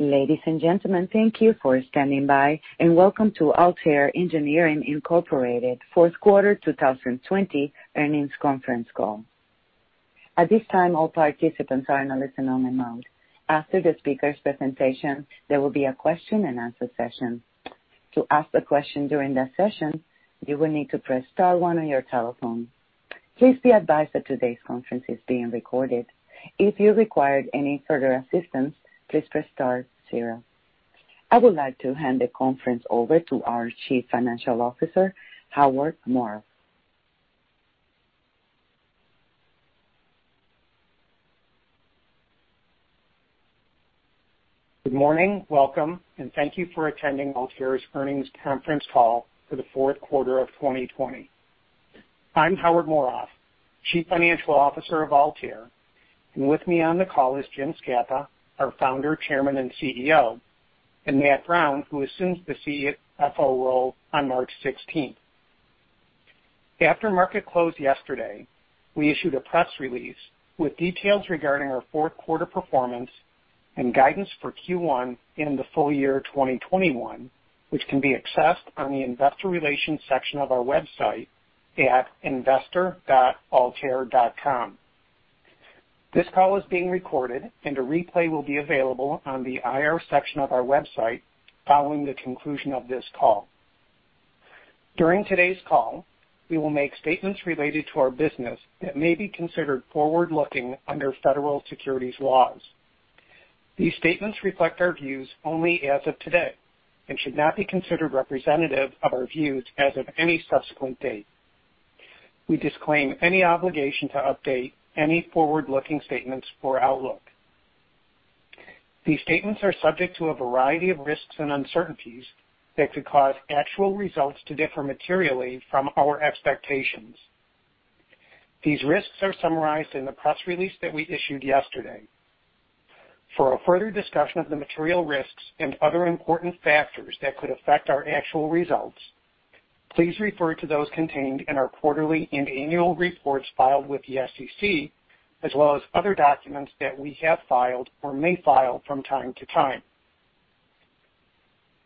Ladies and gentlemen, thank you for standing by, and welcome to Altair Engineering Inc fourth quarter 2020 earnings conference call. At this time, all participants are in a listen-only mode. After the speakers' presentation, there will be a question and answer session. To ask a question during that session, you will need to press star one on your telephone. Please be advised that today's conference is being recorded. If you require any further assistance, please press star zero. I would like to hand the conference over to our Chief Financial Officer, Howard Morof. Good morning, welcome, and thank you for attending Altair's earnings conference call for the fourth quarter of 2020. I'm Howard Morof, Chief Financial Officer of Altair, and with me on the call is Jim Scapa, our Founder, Chairman, and CEO, and Matt Brown, who assumes the CFO role on March 16th. After market close yesterday, we issued a press release with details regarding our fourth quarter performance and guidance for Q1 and the full year 2021, which can be accessed on the investor relations section of our website at investor.altair.com. This call is being recorded, and a replay will be available on the IR section of our website following the conclusion of this call. During today's call, we will make statements related to our business that may be considered forward-looking under Federal securities laws. These statements reflect our views only as of today and should not be considered representative of our views as of any subsequent date. We disclaim any obligation to update any forward-looking statements or outlook. These statements are subject to a variety of risks and uncertainties that could cause actual results to differ materially from our expectations. These risks are summarized in the press release that we issued yesterday. For a further discussion of the material risks and other important factors that could affect our actual results, please refer to those contained in our quarterly and annual reports filed with the SEC, as well as other documents that we have filed or may file from time to time.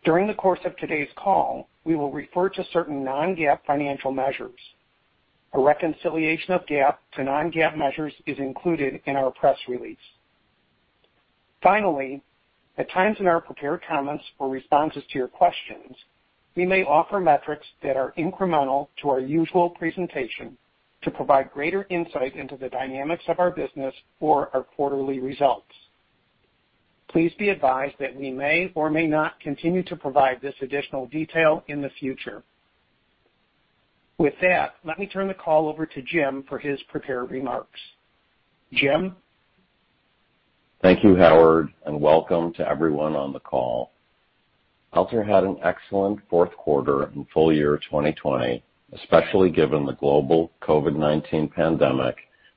During the course of today's call, we will refer to certain non-GAAP financial measures. A reconciliation of GAAP to non-GAAP measures is included in our press release. Finally, at times in our prepared comments or responses to your questions, we may offer metrics that are incremental to our usual presentation to provide greater insight into the dynamics of our business or our quarterly results. Please be advised that we may or may not continue to provide this additional detail in the future. With that, let me turn the call over to Jim for his prepared remarks. Jim? Thank you, Howard, and welcome to everyone on the call. Altair had an excellent fourth quarter and full year 2020, especially given the global COVID-19 pandemic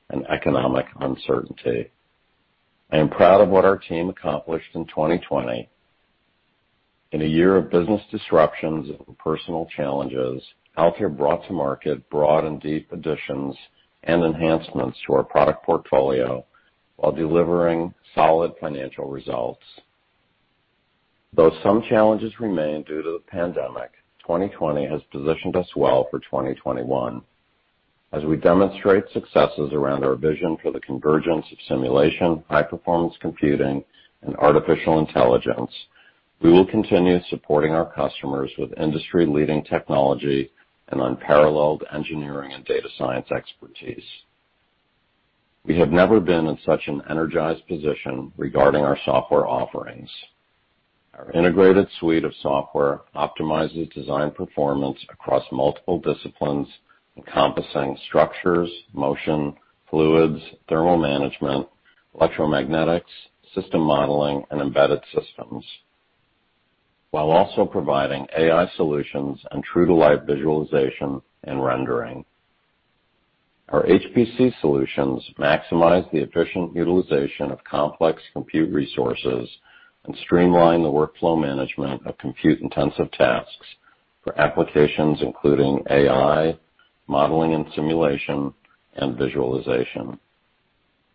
and economic uncertainty. I am proud of what our team accomplished in 2020. In a year of business disruptions and personal challenges, Altair brought to market broad and deep additions and enhancements to our product portfolio while delivering solid financial results. Though some challenges remain due to the pandemic, 2020 has positioned us well for 2021. As we demonstrate successes around our vision for the convergence of simulation, high-performance computing, and artificial intelligence, we will continue supporting our customers with industry-leading technology and unparalleled engineering and data science expertise. We have never been in such an energized position regarding our software offerings. Our integrated suite of software optimizes design performance across multiple disciplines encompassing structures, motion, fluids, thermal management, electromagnetics, system modeling, and embedded systems, while also providing AI solutions and true-to-life visualization and rendering. Our HPC solutions maximize the efficient utilization of complex compute resources and streamline the workflow management of compute-intensive tasks for applications including AI, modeling and simulation, and visualization.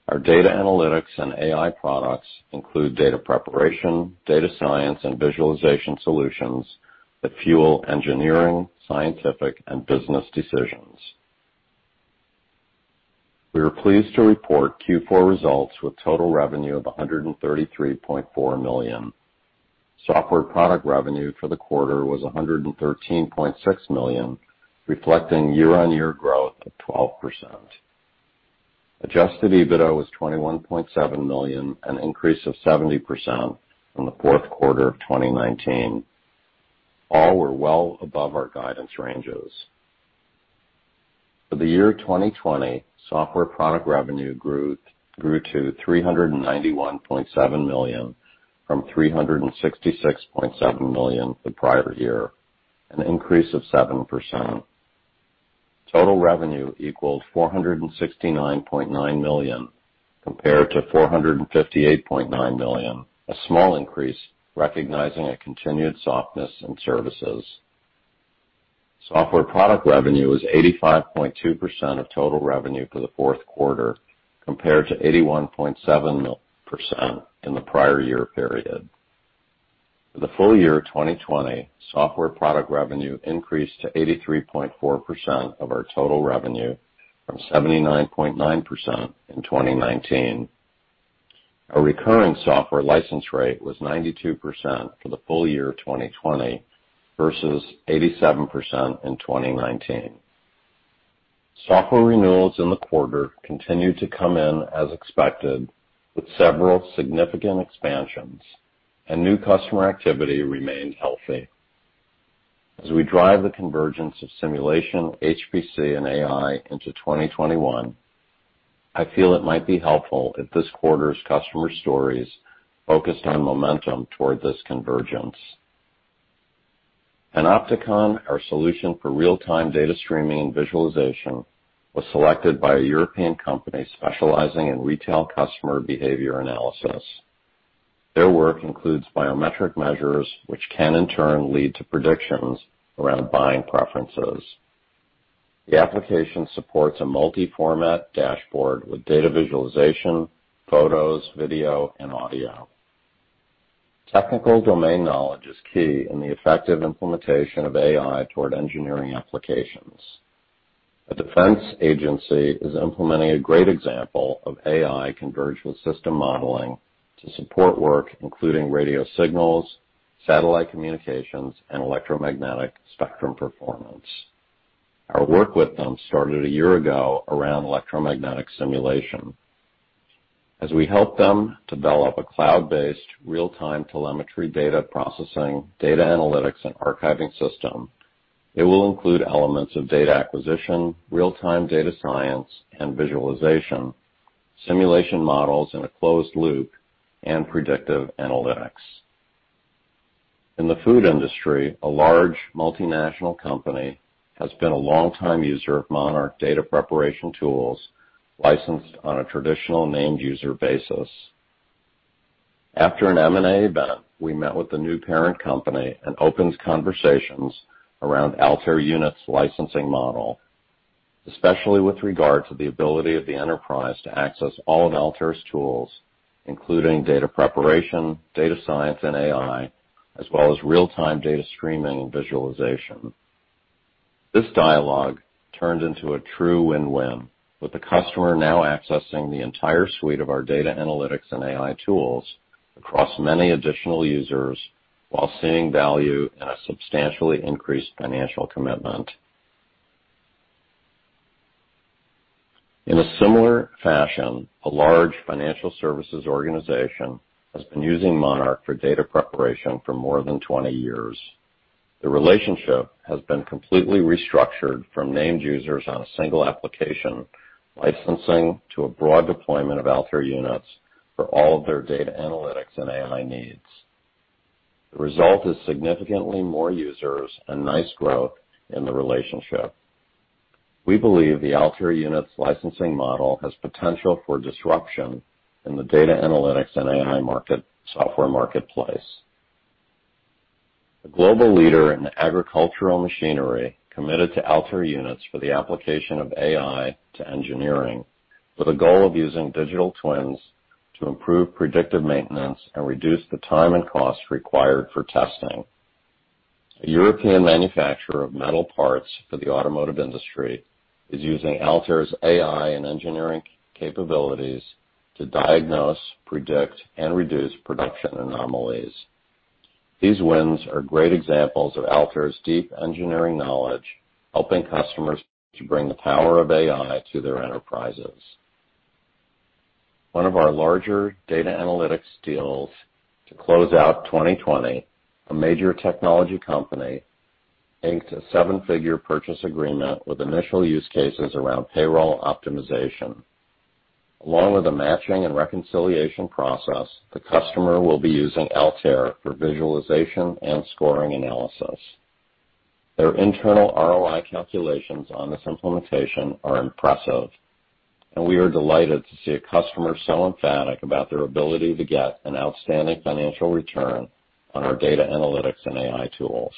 Our data analytics and AI products include data preparation, data science, and visualization solutions that fuel engineering, scientific, and business decisions. We are pleased to report Q4 results with total revenue of $133.4 million. Software product revenue for the quarter was $113.6 million, reflecting year-on-year growth of 12%. Adjusted EBITDA was $21.7 million, an increase of 70% from the fourth quarter of 2019. All were well above our guidance ranges. For the year 2020, software product revenue grew to $391.7 million from $366.7 million the prior year, an increase of 7%. Total revenue equaled $469.9 million compared to $458.9 million, a small increase recognizing a continued softness in services. Software product revenue is 85.2% of total revenue for the fourth quarter, compared to 81.7% in the prior year period. For the full year of 2020, software product revenue increased to 83.4% of our total revenue from 79.9% in 2019. Our recurring software license rate was 92% for the full year of 2020 versus 87% in 2019. Software renewals in the quarter continued to come in as expected, with several significant expansions and new customer activity remained healthy. As we drive the convergence of simulation, HPC, and AI into 2021, I feel it might be helpful if this quarter's customer stories focused on momentum toward this convergence. Panopticon, our solution for real-time data streaming and visualization, was selected by a European company specializing in retail customer behavior analysis. Their work includes biometric measures, which can, in turn, lead to predictions around buying preferences. The application supports a multi-format dashboard with data visualization, photos, video, and audio. Technical domain knowledge is key in the effective implementation of AI toward engineering applications. A defense agency is implementing a great example of AI converged with system modeling to support work, including radio signals, satellite communications, and electromagnetic spectrum performance. Our work with them started a year ago around electromagnetic simulation. We help them develop a cloud-based real-time telemetry data processing, data analytics, and archiving system, it will include elements of data acquisition, real-time data science and visualization, simulation models in a closed loop, and predictive analytics. In the food industry, a large multinational company has been a long-time user of Monarch data preparation tools licensed on a traditional named user basis. After an M&A event, we met with the new parent company and opened conversations around Altair Units licensing model, especially with regard to the ability of the enterprise to access all of Altair's tools, including data preparation, data science, and AI, as well as real-time data streaming and visualization. This dialogue turned into a true win-win, with the customer now accessing the entire suite of our data analytics and AI tools across many additional users while seeing value in a substantially increased financial commitment. In a similar fashion, a large financial services organization has been using Monarch for data preparation for more than 20 years. The relationship has been completely restructured from named users on a single application licensing to a broad deployment of Altair Units for all of their data analytics and AI needs. The result is significantly more users and nice growth in the relationship. We believe the Altair Units licensing model has potential for disruption in the data analytics and AI market, software marketplace. A global leader in agricultural machinery committed to Altair Units for the application of AI to engineering with a goal of using digital twins to improve predictive maintenance and reduce the time and cost required for testing. A European manufacturer of metal parts for the automotive industry is using Altair's AI and engineering capabilities to diagnose, predict, and reduce production anomalies. These wins are great examples of Altair's deep engineering knowledge, helping customers to bring the power of AI to their enterprises. One of our larger data analytics deals to close out 2020, a major technology company inked a seven-figure purchase agreement with initial use cases around payroll optimization. Along with the matching and reconciliation process, the customer will be using Altair for visualization and scoring analysis. Their internal ROI calculations on this implementation are impressive, and we are delighted to see a customer so emphatic about their ability to get an outstanding financial return on our data analytics and AI tools.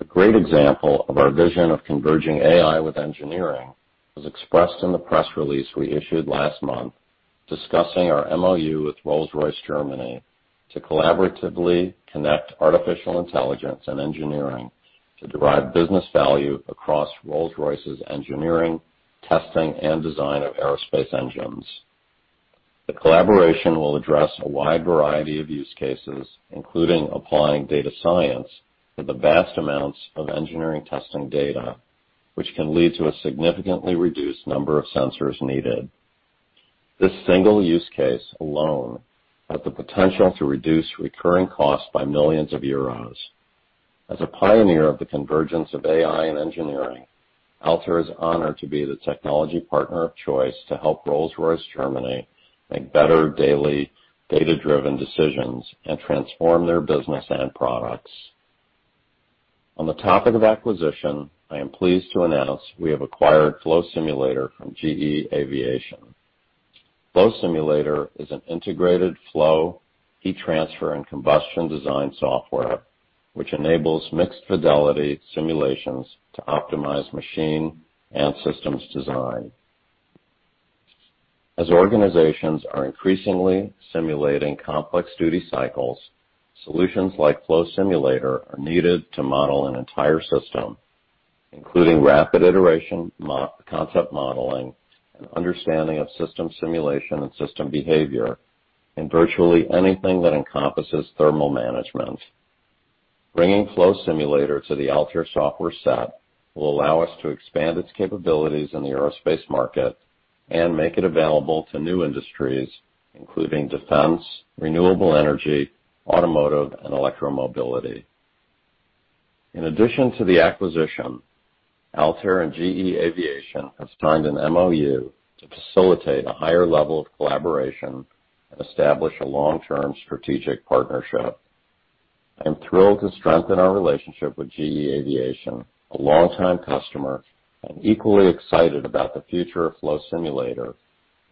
A great example of our vision of converging AI with engineering was expressed in the press release we issued last month discussing our MoU with Rolls-Royce Deutschland to collaboratively connect artificial intelligence and engineering to derive business value across Rolls-Royce's engineering, testing, and design of aerospace engines. The collaboration will address a wide variety of use cases, including applying data science for the vast amounts of engineering testing data, which can lead to a significantly reduced number of sensors needed. This single use case alone has the potential to reduce recurring costs by millions of euros. As a pioneer of the convergence of AI and engineering, Altair is honored to be the technology partner of choice to help Rolls-Royce Germany make better daily data-driven decisions and transform their business and products. On the topic of acquisition, I am pleased to announce we have acquired Flow Simulator from GE Aviation. Flow Simulator is an integrated flow, heat transfer, and combustion design software which enables mixed fidelity simulations to optimize machine and systems design. As organizations are increasingly simulating complex duty cycles, solutions like Flow Simulator are needed to model an entire system, including rapid iteration, concept modeling, and understanding of system simulation and system behavior in virtually anything that encompasses thermal management. Bringing Flow Simulator to the Altair software set will allow us to expand its capabilities in the aerospace market and make it available to new industries, including defense, renewable energy, automotive, and electromobility. In addition to the acquisition, Altair and GE Aviation have signed an MoU to facilitate a higher level of collaboration and establish a long-term strategic partnership. I'm thrilled to strengthen our relationship with GE Aviation, a longtime customer, and equally excited about the future of Flow Simulator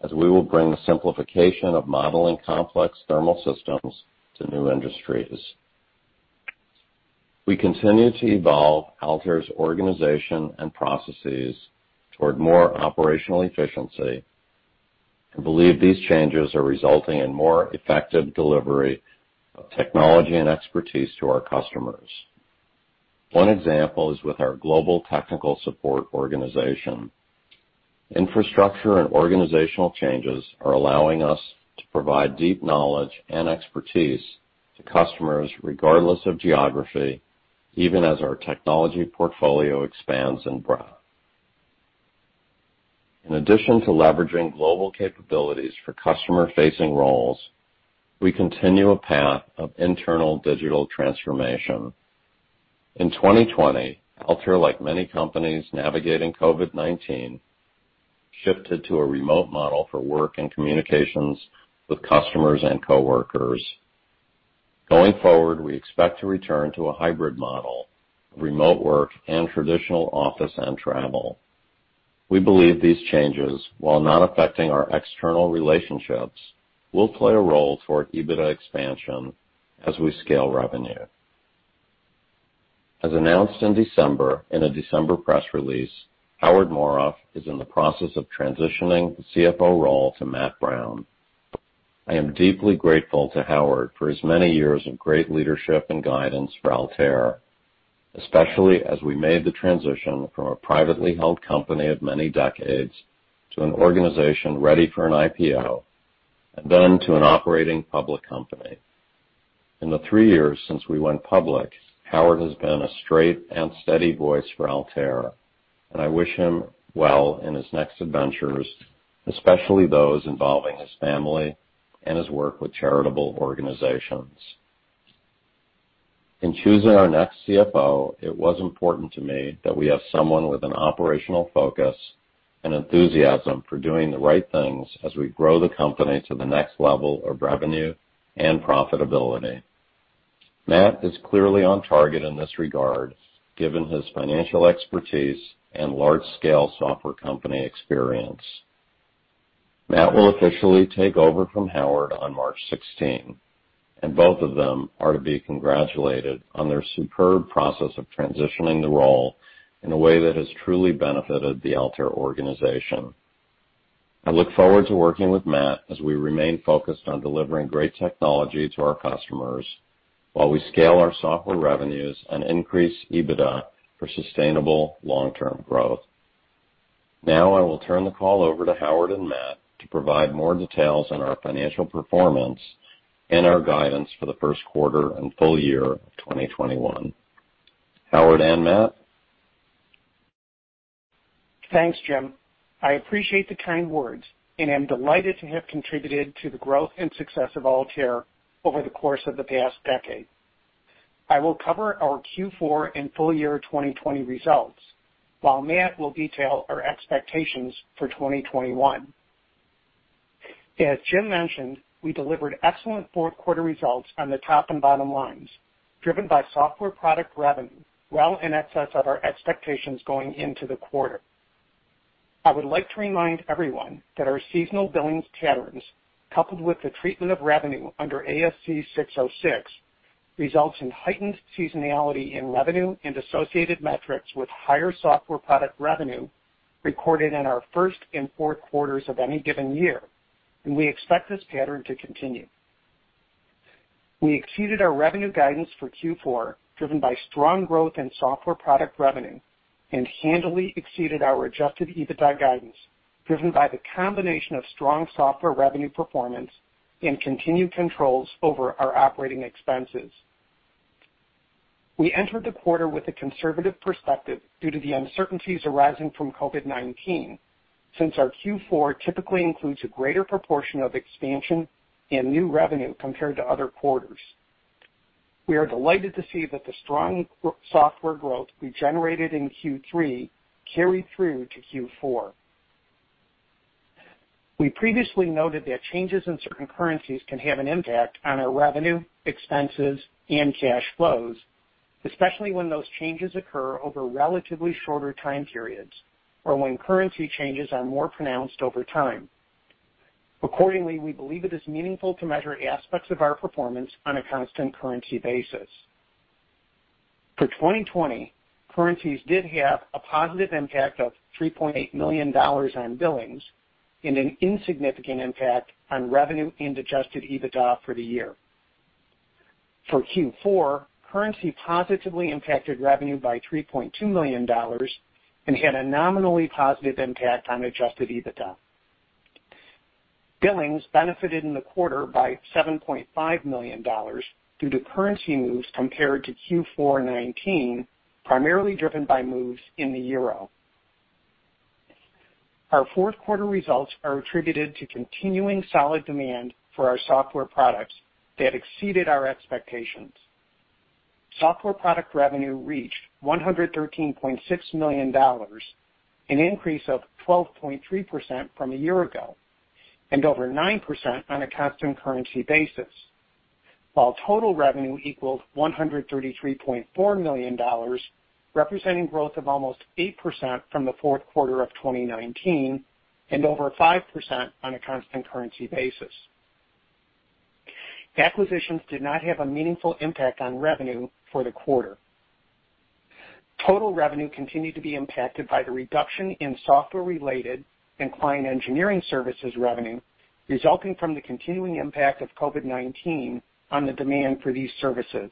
as we will bring the simplification of modeling complex thermal systems to new industries. We continue to evolve Altair's organization and processes toward more operational efficiency and believe these changes are resulting in more effective delivery of technology and expertise to our customers. One example is with our global technical support organization. Infrastructure and organizational changes are allowing us to provide deep knowledge and expertise to customers, regardless of geography, even as our technology portfolio expands in breadth. In addition to leveraging global capabilities for customer-facing roles, we continue a path of internal digital transformation. In 2020, Altair, like many companies navigating COVID-19, shifted to a remote model for work and communications with customers and coworkers. Going forward, we expect to return to a hybrid model of remote work and traditional office and travel. We believe these changes, while not affecting our external relationships, will play a role toward EBITDA expansion as we scale revenue. As announced in December in a December press release, Howard Morof is in the process of transitioning the CFO role to Matt Brown. I am deeply grateful to Howard for his many years of great leadership and guidance for Altair, especially as we made the transition from a privately held company of many decades to an organization ready for an IPO, and then to an operating public company. In the three years since we went public, Howard has been a straight and steady voice for Altair, and I wish him well in his next adventures, especially those involving his family and his work with charitable organizations. In choosing our next CFO, it was important to me that we have someone with an operational focus and enthusiasm for doing the right things as we grow the company to the next level of revenue and profitability. Matt is clearly on target in this regard, given his financial expertise and large-scale software company experience. Matt will officially take over from Howard on March 16, and both of them are to be congratulated on their superb process of transitioning the role in a way that has truly benefited the Altair organization. I look forward to working with Matt as we remain focused on delivering great technology to our customers while we scale our software revenues and increase EBITDA for sustainable long-term growth. Now I will turn the call over to Howard and Matt to provide more details on our financial performance and our guidance for the first quarter and full year 2021. Howard and Matt? Thanks, Jim. I appreciate the kind words and am delighted to have contributed to the growth and success of Altair over the course of the past decade. I will cover our Q4 and full year 2020 results, while Matt will detail our expectations for 2021. As Jim mentioned, we delivered excellent fourth quarter results on the top and bottom lines, driven by software product revenue well in excess of our expectations going into the quarter. I would like to remind everyone that our seasonal billings patterns, coupled with the treatment of revenue under ASC 606, results in heightened seasonality in revenue and associated metrics with higher software product revenue recorded in our first and fourth quarters of any given year, and we expect this pattern to continue. We exceeded our revenue guidance for Q4, driven by strong growth in software product revenue, and handily exceeded our adjusted EBITDA guidance, driven by the combination of strong software revenue performance and continued controls over our operating expenses. We entered the quarter with a conservative perspective due to the uncertainties arising from COVID-19 since our Q4 typically includes a greater proportion of expansion and new revenue compared to other quarters. We are delighted to see that the strong software growth we generated in Q3 carried through to Q4. We previously noted that changes in certain currencies can have an impact on our revenue, expenses, and cash flows. Especially when those changes occur over relatively shorter time periods or when currency changes are more pronounced over time. Accordingly, we believe it is meaningful to measure aspects of our performance on a constant currency basis. For 2020, currencies did have a positive impact of $3.8 million on billings and an insignificant impact on revenue and adjusted EBITDA for the year. For Q4, currency positively impacted revenue by $3.2 million and had a nominally positive impact on adjusted EBITDA. Billings benefited in the quarter by $7.5 million due to currency moves compared to Q4 2019, primarily driven by moves in the euro. Our fourth quarter results are attributed to continuing solid demand for our software products that exceeded our expectations. Software product revenue reached $113.6 million, an increase of 12.3% from a year ago, and over 9% on a constant currency basis. While total revenue equals $133.4 million, representing growth of almost 8% from the fourth quarter of 2019, and over 5% on a constant currency basis. Acquisitions did not have a meaningful impact on revenue for the quarter. Total revenue continued to be impacted by the reduction in software-related and client engineering services revenue resulting from the continuing impact of COVID-19 on the demand for these services.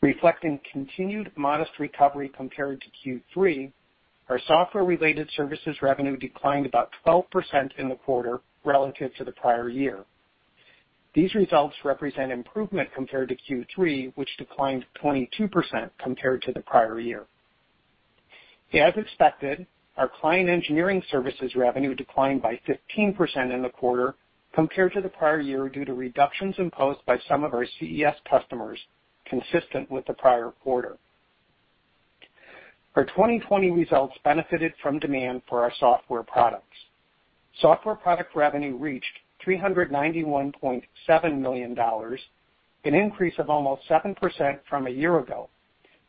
Reflecting continued modest recovery compared to Q3, our software-related services revenue declined about 12% in the quarter relative to the prior year. These results represent improvement compared to Q3, which declined 22% compared to the prior year. As expected, our client engineering services revenue declined by 15% in the quarter compared to the prior year, due to reductions imposed by some of our CES customers, consistent with the prior quarter. Our 2020 results benefited from demand for our software products. Software product revenue reached $391.7 million, an increase of almost 7% from a year ago,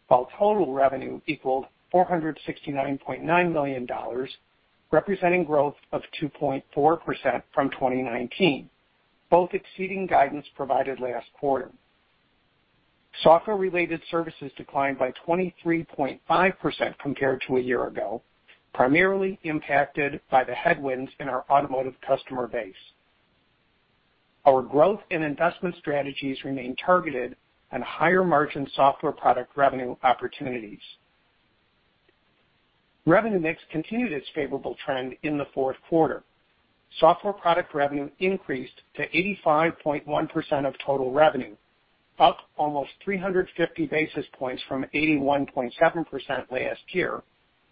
while total revenue equaled $469.9 million, representing growth of 2.4% from 2019, both exceeding guidance provided last quarter. Software-related services declined by 23.5% compared to a year ago, primarily impacted by the headwinds in our automotive customer base. Our growth and investment strategies remain targeted on higher-margin software product revenue opportunities. Revenue mix continued its favorable trend in the fourth quarter. Software product revenue increased to 85.1% of total revenue, up almost 350 basis points from 81.7% last year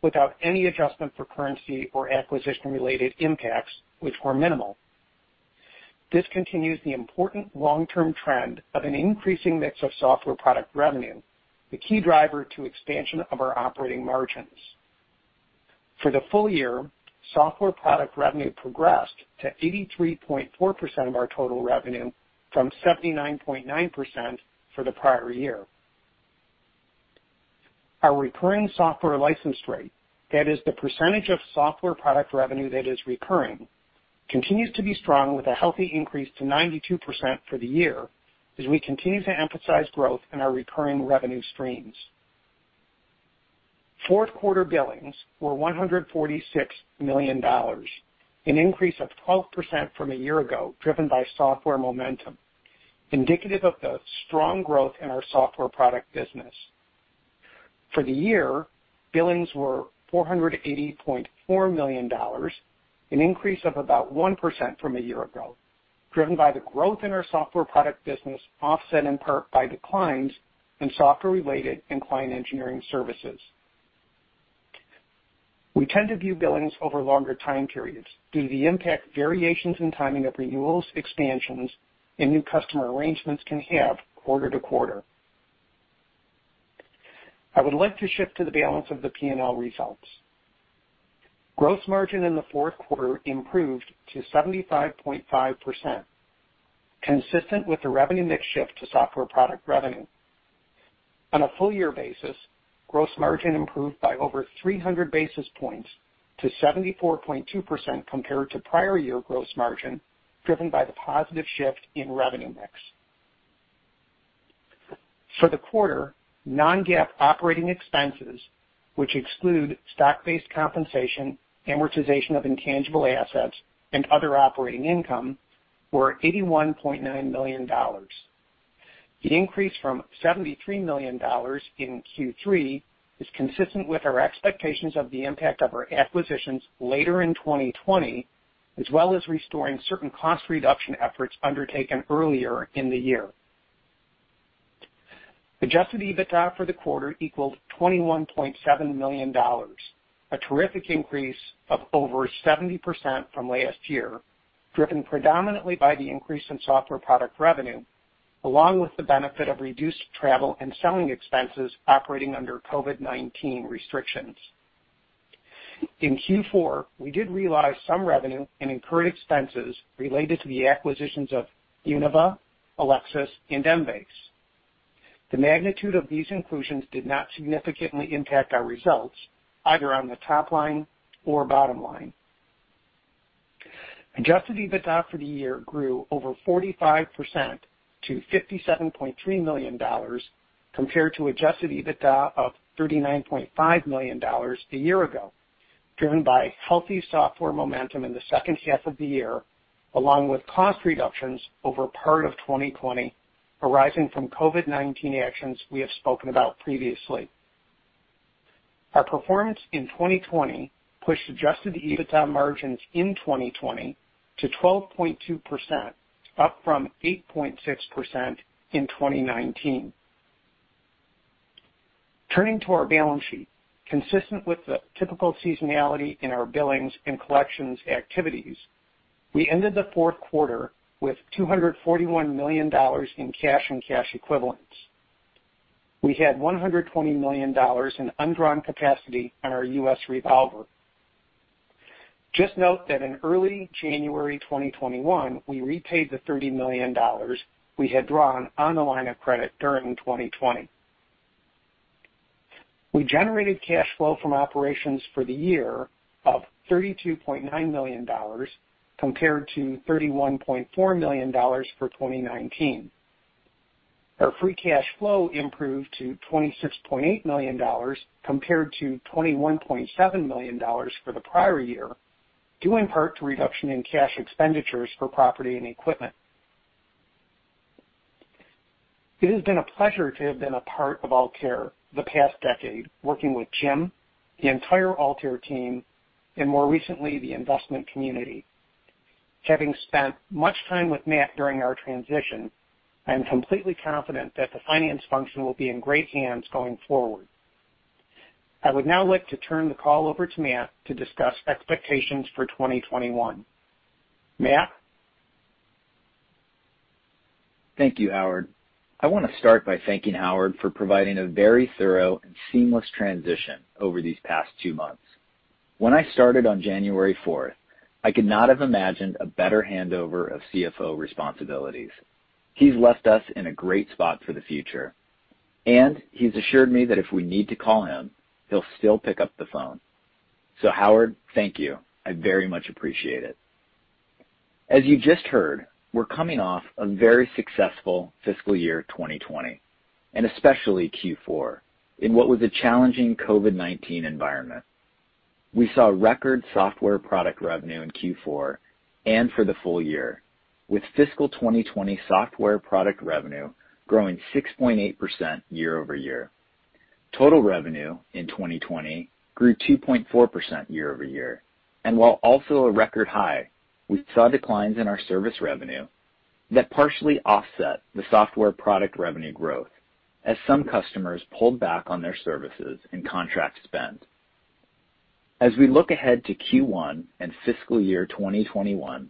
without any adjustment for currency or acquisition-related impacts, which were minimal. This continues the important long-term trend of an increasing mix of software product revenue, the key driver to expansion of our operating margins. For the full year, software product revenue progressed to 83.4% of our total revenue from 79.9% for the prior year. Our recurring software license rate, that is the percentage of software product revenue that is recurring, continues to be strong with a healthy increase to 92% for the year as we continue to emphasize growth in our recurring revenue streams. Fourth quarter billings were $146 million, an increase of 12% from a year ago, driven by software momentum, indicative of the strong growth in our software product business. For the year, billings were $480.4 million, an increase of about 1% from a year ago, driven by the growth in our software product business, offset in part by declines in software-related and client engineering services. We tend to view billings over longer time periods due to the impact variations in timing of renewals, expansions, and new customer arrangements can have quarter to quarter. I would like to shift to the balance of the P&L results. Gross margin in the fourth quarter improved to 75.5%, consistent with the revenue mix shift to software product revenue. On a full-year basis, gross margin improved by over 300 basis points to 74.2% compared to prior year gross margin, driven by the positive shift in revenue mix. For the quarter, non-GAAP operating expenses, which exclude stock-based compensation, amortization of intangible assets, and other operating income, were $81.9 million. The increase from $73 million in Q3 is consistent with our expectations of the impact of our acquisitions later in 2020, as well as restoring certain cost reduction efforts undertaken earlier in the year. Adjusted EBITDA for the quarter equaled $21.7 million, a terrific increase of over 70% from last year, driven predominantly by the increase in software product revenue, along with the benefit of reduced travel and selling expenses operating under COVID-19 restrictions. In Q4, we did realize some revenue and incurred expenses related to the acquisitions of Univa, Ellexus and M-Base. The magnitude of these inclusions did not significantly impact our results either on the top line or bottom line. Adjusted EBITDA for the year grew over 45% to $57.3 million, compared to adjusted EBITDA of $39.5 million a year ago, driven by healthy software momentum in the second half of the year, along with cost reductions over part of 2020 arising from COVID-19 actions we have spoken about previously. Our performance in 2020 pushed adjusted EBITDA margins in 2020 to 12.2%, up from 8.6% in 2019. Turning to our balance sheet. Consistent with the typical seasonality in our billings and collections activities, we ended the fourth quarter with $241 million in cash and cash equivalents. We had $120 million in undrawn capacity on our U.S. revolver. Just note that in early January 2021, we repaid the $30 million we had drawn on the line of credit during 2020. We generated cash flow from operations for the year of $32.9 million, compared to $31.4 million for 2019. Our free cash flow improved to $26.8 million compared to $21.7 million for the prior year, due in part to reduction in cash expenditures for property and equipment. It has been a pleasure to have been a part of Altair the past decade, working with Jim, the entire Altair team, and more recently, the investment community. Having spent much time with Matt during our transition, I am completely confident that the finance function will be in great hands going forward. I would now like to turn the call over to Matt to discuss expectations for 2021. Matt? Thank you, Howard. I want to start by thanking Howard for providing a very thorough and seamless transition over these past two months. When I started on January 4th, I could not have imagined a better handover of CFO responsibilities. He's left us in a great spot for the future, and he's assured me that if we need to call him, he'll still pick up the phone. Howard, thank you. I very much appreciate it. As you just heard, we're coming off a very successful fiscal year 2020, and especially Q4, in what was a challenging COVID-19 environment. We saw record software product revenue in Q4 and for the full year, with fiscal 2020 software product revenue growing 6.8% year-over-year. Total revenue in 2020 grew 2.4% year-over-year. While also a record high, we saw declines in our service revenue that partially offset the software product revenue growth, as some customers pulled back on their services and contract spend. As we look ahead to Q1 and FY 2021,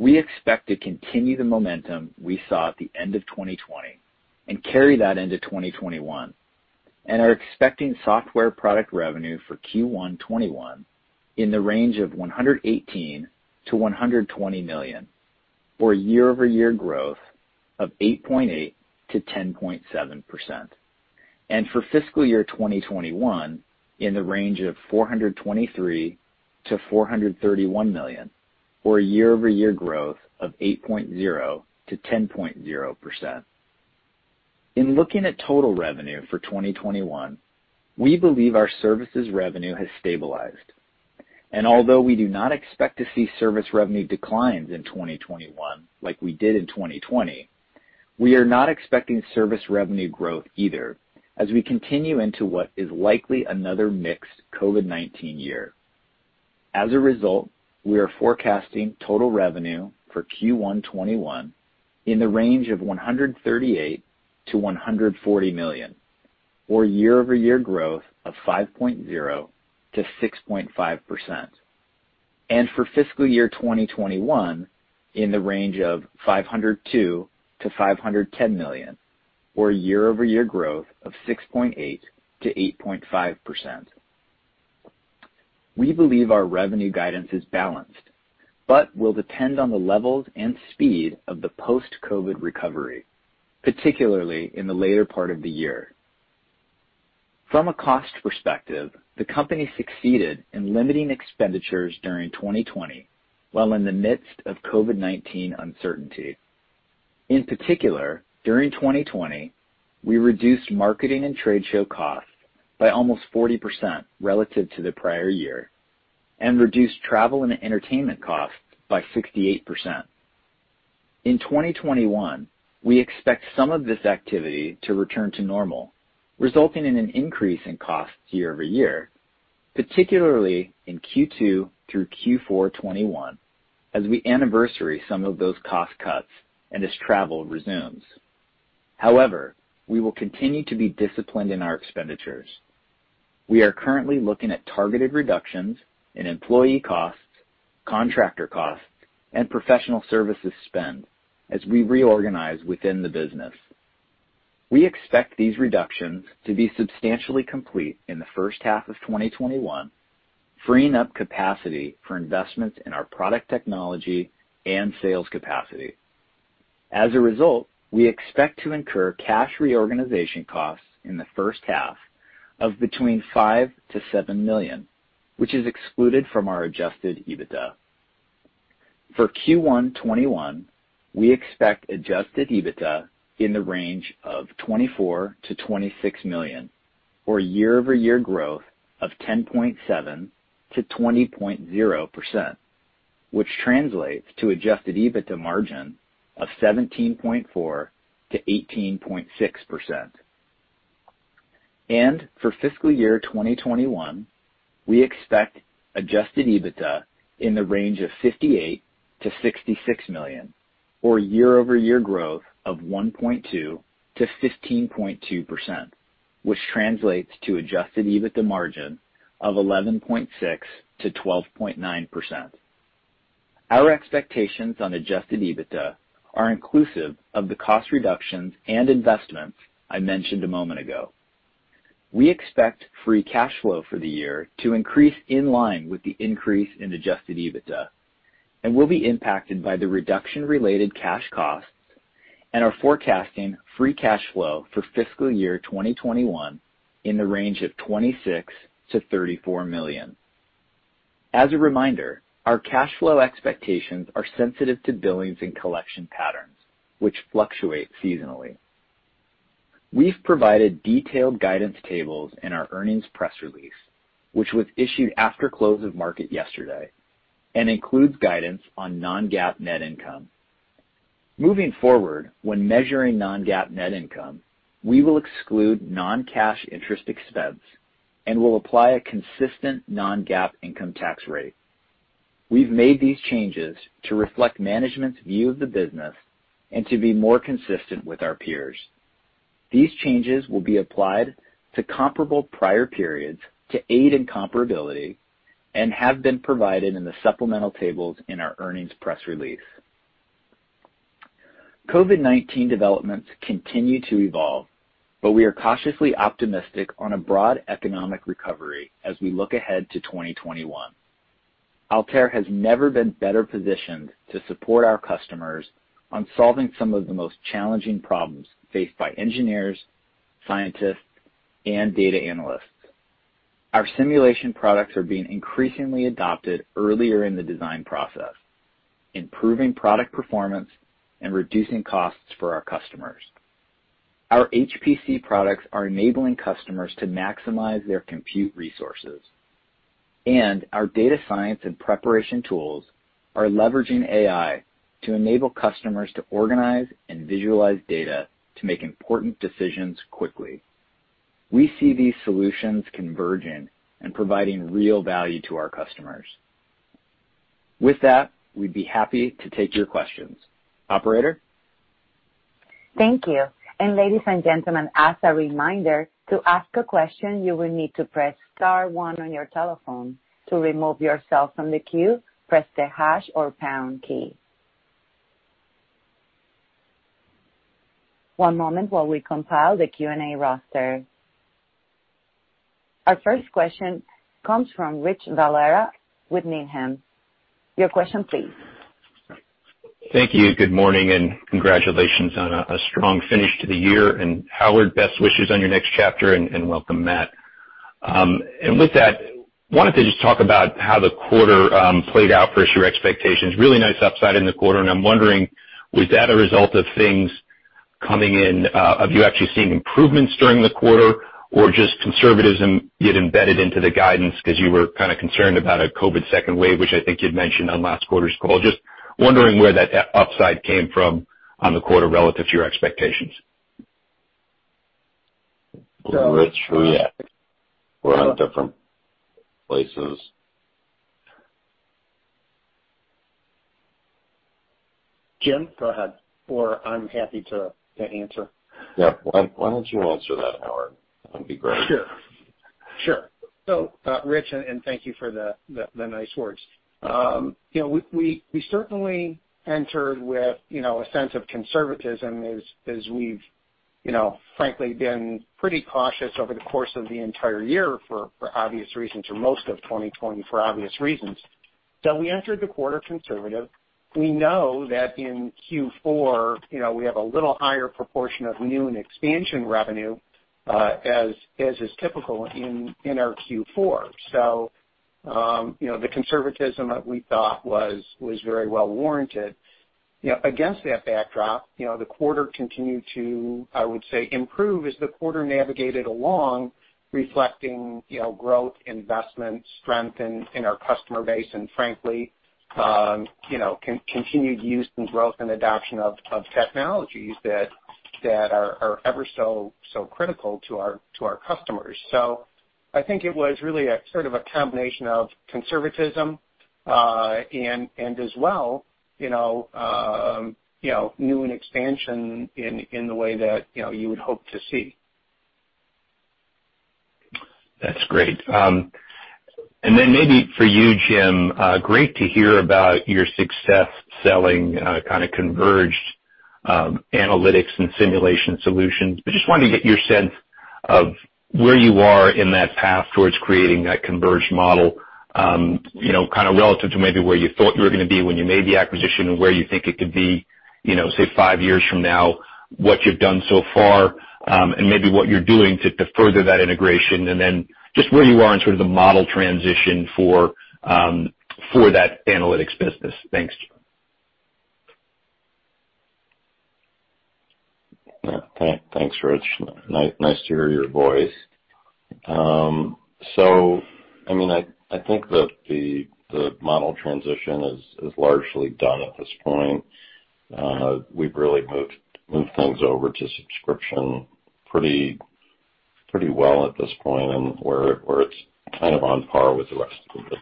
we expect to continue the momentum we saw at the end of 2020 and carry that into 2021 and are expecting software product revenue for Q1 2021 in the range of $118 million to $120 million, for a year-over-year growth of 8.8%-10.7%. For FY 2021, in the range of $423 million to $431 million, or a year-over-year growth of 8.0%-10.0%. In looking at total revenue for 2021, we believe our services revenue has stabilized. Although we do not expect to see service revenue declines in 2021 like we did in 2020, we are not expecting service revenue growth either as we continue into what is likely another mixed COVID-19 year. As a result, we are forecasting total revenue for Q1 2021 in the range of $138 million-$140 million, or year-over-year growth of 5.0%-6.5%. For fiscal year 2021, in the range of $502 million-$510 million, or a year-over-year growth of 6.8%-8.5%. We believe our revenue guidance is balanced but will depend on the levels and speed of the post-COVID recovery, particularly in the later part of the year. From a cost perspective, the company succeeded in limiting expenditures during 2020 while in the midst of COVID-19 uncertainty. In particular, during 2020, we reduced marketing and trade show costs by almost 40% relative to the prior year and reduced travel and entertainment costs by 68%. In 2021, we expect some of this activity to return to normal, resulting in an increase in costs year-over-year, particularly in Q2 through Q4 '21, as we anniversary some of those cost cuts and as travel resumes. We will continue to be disciplined in our expenditures. We are currently looking at targeted reductions in employee costs, contractor costs, and professional services spend as we reorganize within the business. We expect these reductions to be substantially complete in the first half of 2021, freeing up capacity for investments in our product technology and sales capacity. We expect to incur cash reorganization costs in the first half of between $5 million-$7 million, which is excluded from our adjusted EBITDA. For Q1 2021, we expect adjusted EBITDA in the range of $24 million-$26 million, or year-over-year growth of 10.7%-20.0%, which translates to adjusted EBITDA margin of 17.4%-18.6%. For fiscal year 2021, we expect adjusted EBITDA in the range of $58 million-$66 million, or year-over-year growth of 1.2%-15.2%, which translates to adjusted EBITDA margin of 11.6%-12.9%. Our expectations on adjusted EBITDA are inclusive of the cost reductions and investments I mentioned a moment ago. We expect free cash flow for the year to increase in line with the increase in adjusted EBITDA and will be impacted by the reduction-related cash costs and are forecasting free cash flow for fiscal year 2021 in the range of $26 million-$34 million. As a reminder, our cash flow expectations are sensitive to billings and collection patterns, which fluctuate seasonally. We've provided detailed guidance tables in our earnings press release, which was issued after close of market yesterday and includes guidance on non-GAAP net income. Moving forward, when measuring non-GAAP net income, we will exclude non-cash interest expense and will apply a consistent non-GAAP income tax rate. We've made these changes to reflect management's view of the business and to be more consistent with our peers. These changes will be applied to comparable prior periods to aid in comparability and have been provided in the supplemental tables in our earnings press release. COVID-19 developments continue to evolve, we are cautiously optimistic on a broad economic recovery as we look ahead to 2021. Altair has never been better positioned to support our customers on solving some of the most challenging problems faced by engineers, scientists, and data analysts. Our simulation products are being increasingly adopted earlier in the design process, improving product performance and reducing costs for our customers. Our HPC products are enabling customers to maximize their compute resources. Our data science and preparation tools are leveraging AI to enable customers to organize and visualize data to make important decisions quickly. We see these solutions converging and providing real value to our customers. With that, we'd be happy to take your questions. Operator? Thank you. Ladies and gentlemen, as a reminder, to ask a question, you will need to press star one on your telephone. To remove yourself from the queue, press the hash or pound key. One moment while we compile the Q&A roster. Our first question comes from Rich Valera with Needham. Your question please. Thank you. Good morning, congratulations on a strong finish to the year. Howard, best wishes on your next chapter, and welcome, Matt. With that, wanted to just talk about how the quarter played out versus your expectations. Really nice upside in the quarter, and I'm wondering, was that a result of things coming in? Have you actually seen improvements during the quarter or just conservatism get embedded into the guidance because you were kind of concerned about a COVID-19 second wave, which I think you'd mentioned on last quarter's call? Just wondering where that upside came from on the quarter relative to your expectations. So- Rich, We're in different places. Jim, go ahead, or I'm happy to answer. Yeah. Why don't you answer that, Howard? That'd be great. Sure. Rich, and thank you for the nice words. We certainly entered with a sense of conservatism as we've frankly been pretty cautious over the course of the entire year for obvious reasons, or most of 2020 for obvious reasons. We entered the quarter conservative. We know that in Q4 we have a little higher proportion of new and expansion revenue, as is typical in our Q4. The conservatism that we thought was very well warranted. Against that backdrop, the quarter continued to, I would say, improve as the quarter navigated along, reflecting growth, investment, strength in our customer base, and frankly continued use and growth and adoption of technologies that are ever so critical to our customers. I think it was really a sort of a combination of conservatism, and as well new and expansion in the way that you would hope to see. That's great. Then maybe for you, Jim, great to hear about your success selling kind of converged analytics and simulation solutions. I just wanted to get your sense of where you are in that path towards creating that converged model, kind of relative to maybe where you thought you were going to be when you made the acquisition and where you think it could be, say, five years from now, what you've done so far, and maybe what you're doing to further that integration. And then just where you are in sort of the model transition for that analytics business. Thanks, Jim. Yeah. Thanks, Rich. Nice to hear your voice. I think that the model transition is largely done at this point. We've really moved things over to subscription pretty well at this point, and where it's kind of on par with the rest of the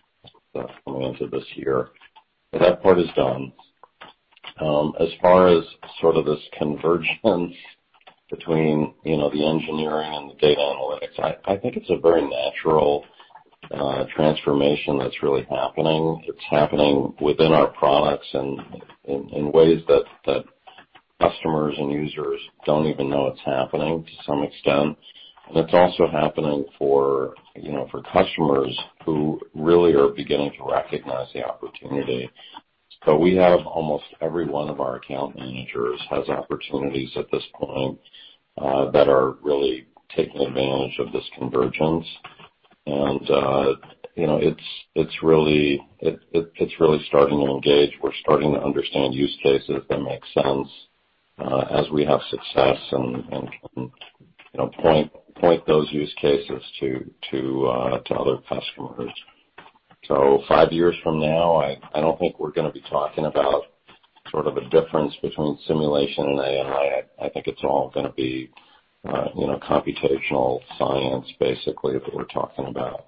business coming into this year. That part is done. As far as sort of this convergence between the engineering and the data analytics, I think it's a very natural transformation that's really happening. It's happening within our products and in ways that customers and users don't even know it's happening, to some extent. It's also happening for customers who really are beginning to recognize the opportunity. We have almost every one of our account managers has opportunities at this point that are really taking advantage of this convergence. It's really starting to engage. We're starting to understand use cases that make sense as we have success and point those use cases to other customers. five years from now, I don't think we're going to be talking about sort of a difference between simulation and AI. I think it's all going to be computational science, basically, that we're talking about.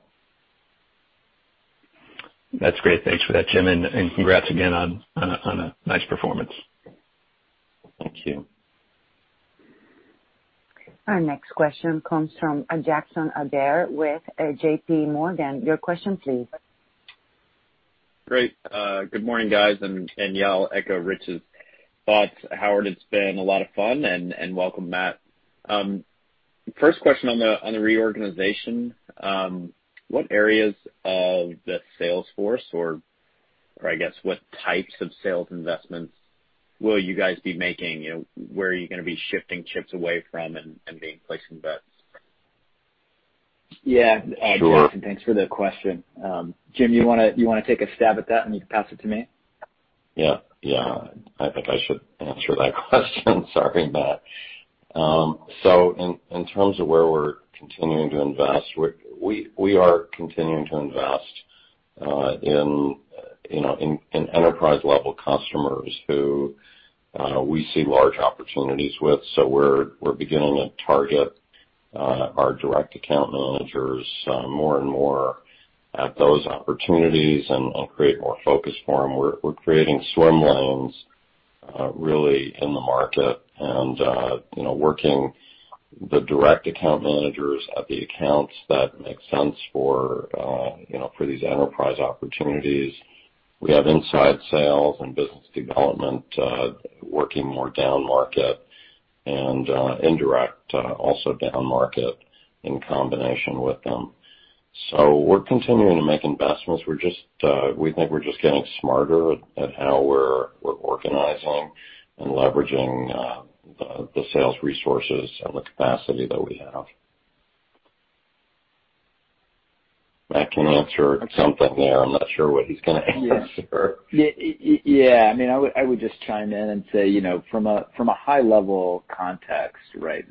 That's great. Thanks for that, Jim, and congrats again on a nice performance. Thank you. Our next question comes from Jackson Ader with JPMorgan. Your question please. Great. Good morning, guys. Yeah, I'll echo Richard's thoughts. Howard, it's been a lot of fun, and welcome, Matt. First question on the reorganization. What areas of the sales force or I guess what types of sales investments will you guys be making? Where are you going to be shifting chips away from and being placing bets? Yeah. Sure. Jackson, thanks for the question. Jim, you want to take a stab at that, and you can pass it to me? Yeah. I think I should answer that question. Sorry, Matt. In terms of where we're continuing to invest, we are continuing to invest in enterprise-level customers who we see large opportunities with. We're beginning to target our direct account managers more and more at those opportunities and create more focus for them. We're creating swim lanes really in the market and working the direct account managers at the accounts that make sense for these enterprise opportunities. We have inside sales and business development working more down market and indirect also down market in combination with them. We're continuing to make investments. We think we're just getting smarter at how we're organizing and leveraging the sales resources and the capacity that we have. I can answer something there. I'm not sure what he's going to answer. Yeah. I would just chime in and say, from a high level context, right,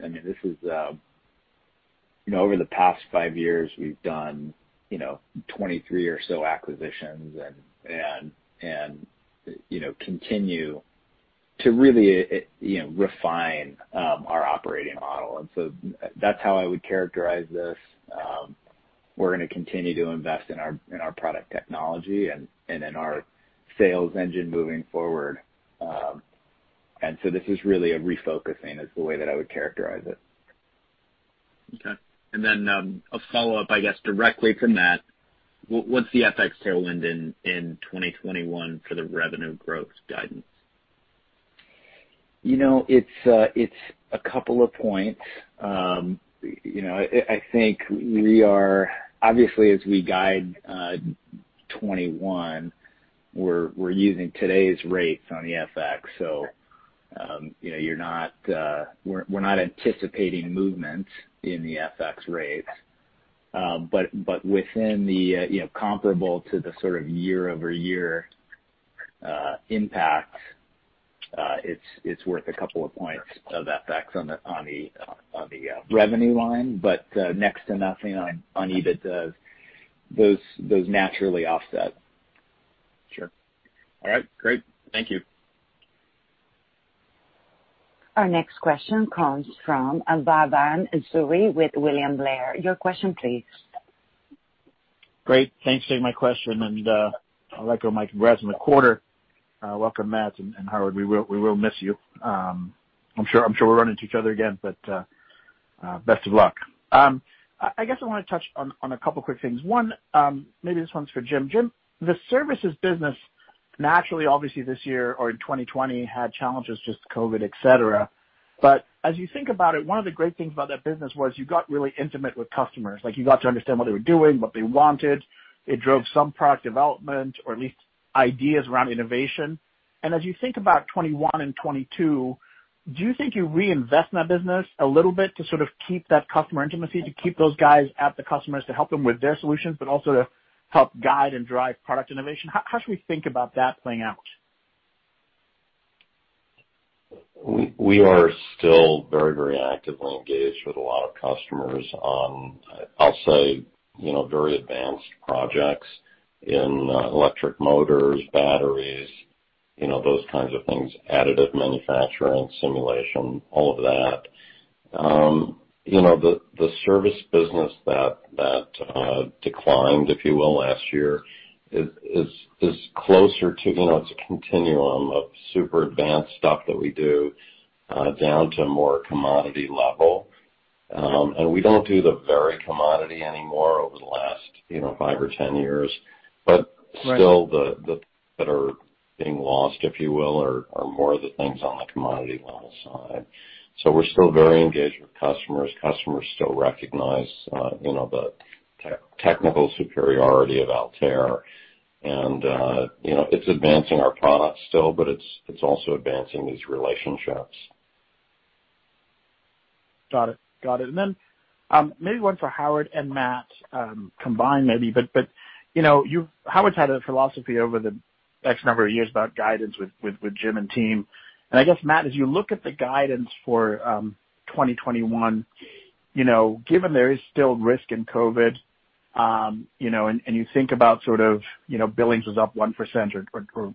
over the past five years, we've done 23 or so acquisitions and continue to really refine our operating model. That's how I would characterize this. We're going to continue to invest in our product technology and in our sales engine moving forward. This is really a refocusing is the way that I would characterize it. Okay. Then a follow-up, I guess, directly from that, what's the FX tailwind in 2021 for the revenue growth guidance? It's a couple of points. I think obviously, as we guide 2021, we're using today's rates on the FX. We're not anticipating movement in the FX rates. Within the comparable to the sort of year-over-year impact, it's worth a couple of points of FX on the revenue line. Next to nothing on EBITDA. Those naturally offset. Sure. All right, great. Thank you. Our next question comes from Bhavan Suri with William Blair. Your question please. Great. Thanks for taking my question, and I'll echo my congrats on the quarter. Welcome, Matt and Howard. We will miss you. I'm sure we'll run into each other again, but best of luck. I guess I want to touch on a couple quick things. One, maybe this one's for Jim. Jim, the services business, naturally, obviously this year or in 2020, had challenges, just COVID-19, et cetera. As you think about it, one of the great things about that business was you got really intimate with customers. You got to understand what they were doing, what they wanted. It drove some product development or at least ideas around innovation. As you think about 2021 and 2022, do you think you reinvest in that business a little bit to sort of keep that customer intimacy, to keep those guys at the customers, to help them with their solutions, but also to help guide and drive product innovation? How should we think about that playing out? We are still very actively engaged with a lot of customers on, I'll say, very advanced projects in electric motors, batteries, those kinds of things, additive manufacturing, simulation, all of that. The service business that declined, if you will, last year is closer to a continuum of super advanced stuff that we do, down to a more commodity level. We don't do the very commodity anymore over the last five or 10 years. Right. Still that are being lost, if you will, are more of the things on the commodity level side. We're still very engaged with customers. Customers still recognize the technical superiority of Altair, and it's advancing our products still, but it's also advancing these relationships. Got it. Maybe one for Howard and Matt, combined maybe. Howard's had a philosophy over the X number of years about guidance with Jim and team, and I guess, Matt, as you look at the guidance for 2021, given there is still risk in COVID-19, and you think about billings is up 1%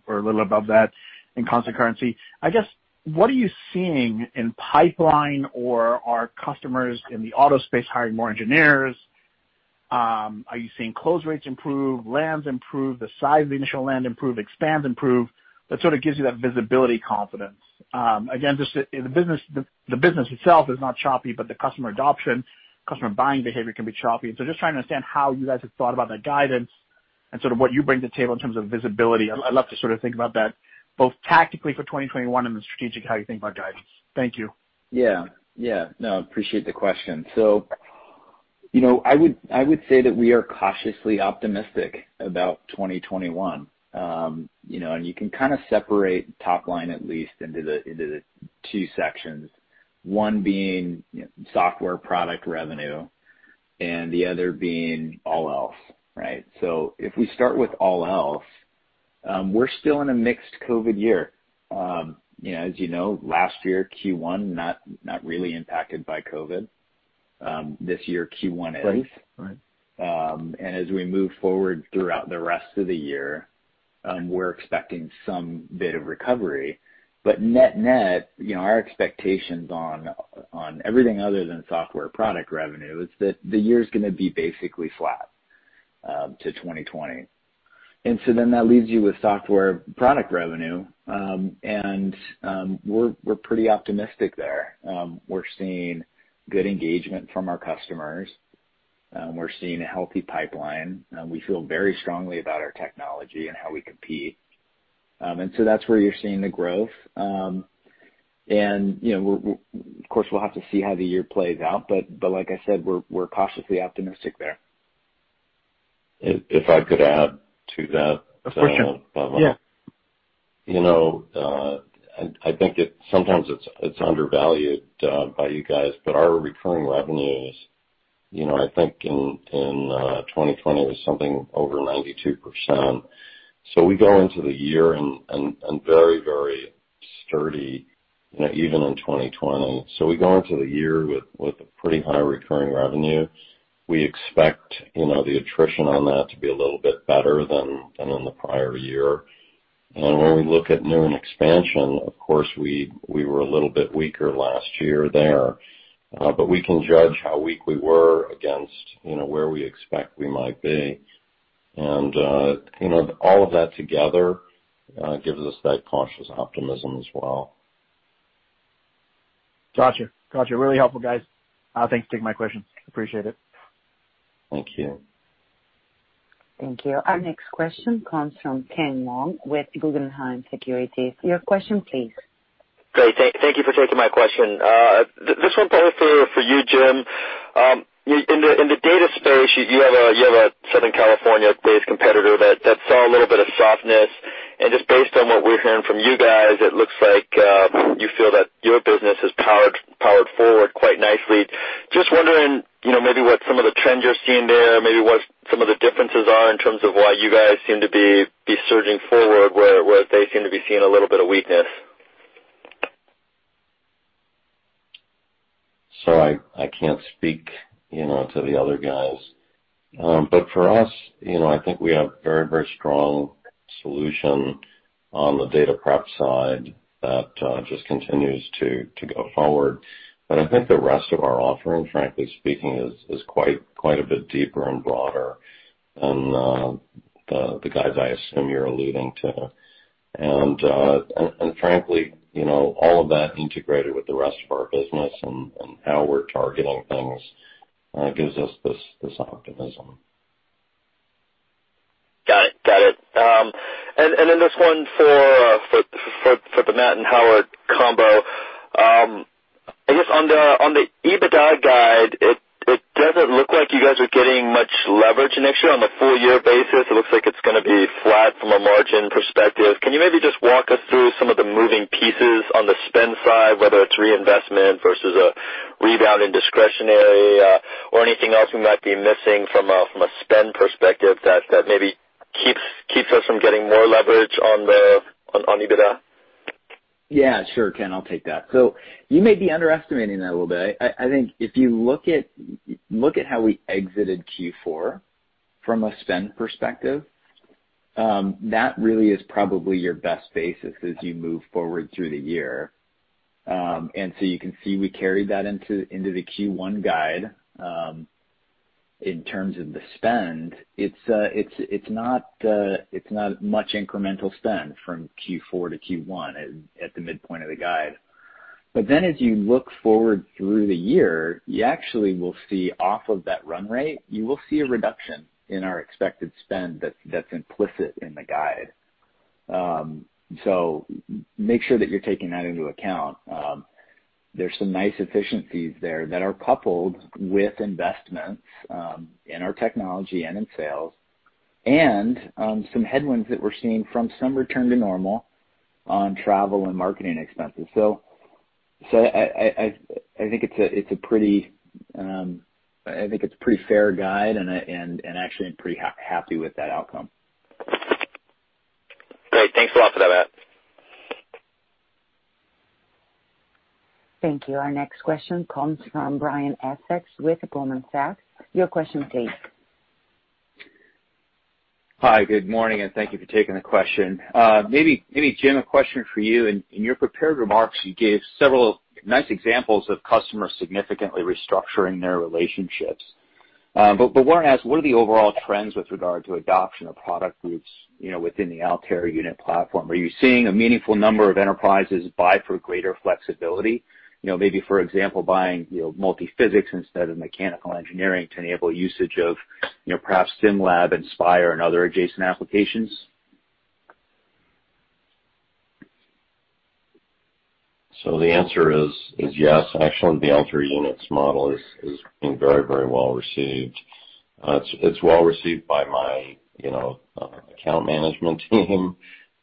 or a little above that in constant currency, I guess, what are you seeing in pipeline, or are customers in the auto space hiring more engineers? Are you seeing close rates improve, lands improve, the size of the initial land improve, expands improve, that sort of gives you that visibility confidence? Again, the business itself is not choppy, but the customer adoption, customer buying behavior can be choppy. Just trying to understand how you guys have thought about that guidance and sort of what you bring to the table in terms of visibility. I'd love to sort of think about that both tactically for 2021 and the strategic, how you think about guidance. Thank you. Yeah. No, appreciate the question. I would say that we are cautiously optimistic about 2021. You can kind of separate top line at least into the two sections, one being software product revenue and the other being all else. Right? If we start with all else, we're still in a mixed COVID year. As you know, last year, Q1, not really impacted by COVID. This year, Q1 is. Right. As we move forward throughout the rest of the year, we're expecting some bit of recovery. Net net, our expectations on everything other than software product revenue is that the year's going to be basically flat to 2020. That leaves you with software product revenue, and we're pretty optimistic there. We're seeing good engagement from our customers. We're seeing a healthy pipeline. We feel very strongly about our technology and how we compete. That's where you're seeing the growth. Of course, we'll have to see how the year plays out, but like I said, we're cautiously optimistic there. If I could add to that. Of course. Yeah. I think sometimes it's undervalued by you guys. Our recurring revenues, I think in 2020 was something over 92%. We go into the year and very sturdy, even in 2020. We go into the year with a pretty high recurring revenue. We expect the attrition on that to be a little bit better than in the prior year. When we look at new and expansion, of course, we were a little bit weaker last year there. We can judge how weak we were against where we expect we might be. All of that together gives us that cautious optimism as well. Got you. Really helpful, guys. Thanks for taking my questions. Appreciate it. Thank you. Thank you. Our next question comes from Ken Wong with Guggenheim Securities. Your question please. Great. Thank you for taking my question. This one probably for you, Jim. In the data space, you have a Southern California-based competitor that saw a little bit of softness, just based on what we're hearing from you guys, it looks like you feel that your business has powered forward quite nicely. Just wondering maybe what some of the trends you're seeing there, maybe what some of the differences are in terms of why you guys seem to be surging forward where they seem to be seeing a little bit of weakness? I can't speak to the other guys. For us, I think we have very strong solution on the data prep side that just continues to go forward. I think the rest of our offering, frankly speaking, is quite a bit deeper and broader than the guys I assume you're alluding to. Frankly, all of that integrated with the rest of our business and how we're targeting things gives us this optimism. Got it. This one for the Matt and Howard combo. I guess on the EBITDA guide, it doesn't look like you guys are getting much leverage next year on the full-year basis. It looks like it's going to be flat from a margin perspective. Can you maybe just walk us through some of the moving pieces on the spend side, whether it's reinvestment versus a rebound in discretionary, or anything else we might be missing from a spend perspective that maybe keeps us from getting more leverage on the EBITDA? Yeah, sure, Ken, I'll take that. You may be underestimating that a little bit. I think if you look at how we exited Q4 from a spend perspective, that really is probably your best basis as you move forward through the year. You can see we carried that into the Q1 guide, in terms of the spend. It's not much incremental spend from Q4 to Q1 at the midpoint of the guide. As you look forward through the year, you actually will see off of that run rate, you will see a reduction in our expected spend that's implicit in the guide. Make sure that you're taking that into account. There's some nice efficiencies there that are coupled with investments in our technology and in sales and some headwinds that we're seeing from some return to normal on travel and marketing expenses. I think it's a pretty fair guide and actually I'm pretty happy with that outcome. Great. Thanks a lot for that, Matt. Thank you. Our next question comes from Brian Essex with Goldman Sachs. Your question, please. Hi, good morning, and thank you for taking the question. Maybe, Jim, a question for you. In your prepared remarks, you gave several nice examples of customers significantly restructuring their relationships. Wanted to ask, what are the overall trends with regard to adoption of product groups within the Altair Units platform? Are you seeing a meaningful number of enterprises buy for greater flexibility? Maybe, for example, buying multi-physics instead of mechanical engineering to enable usage of perhaps SimLab, Inspire, and other adjacent applications. The answer is yes. Actually, the Altair Units model has been very well received. It's well received by my account management team.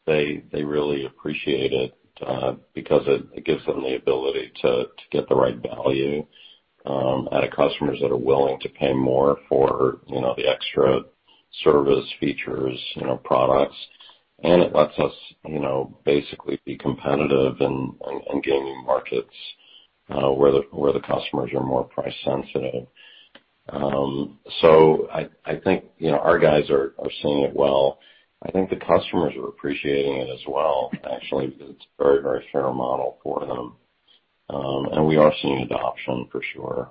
They really appreciate it because it gives them the ability to get the right value out of customers that are willing to pay more for the extra service features, products. It lets us basically be competitive and gain new markets where the customers are more price sensitive. I think our guys are seeing it well. I think the customers are appreciating it as well. Actually, it's a very fair model for them. We are seeing adoption for sure.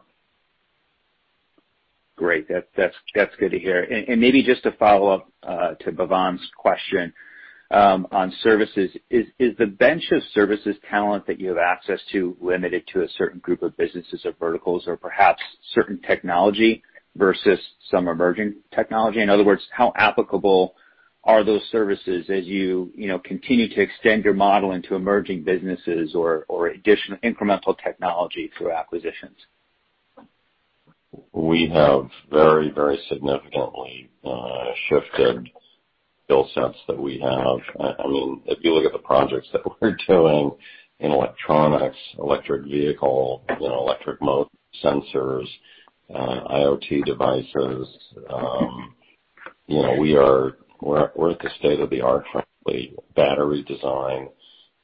Great. That's good to hear. Maybe just to follow up to Bhavan's question on services, is the bench of services talent that you have access to limited to a certain group of businesses or verticals or perhaps certain technology versus some emerging technology? In other words, how applicable are those services as you continue to extend your model into emerging businesses or additional incremental technology through acquisitions? We have very significantly shifted skill sets that we have. If you look at the projects that we're doing in electronics, electric vehicle, electric sensors, IoT devices, we're at the state-of-the-art, frankly, battery design.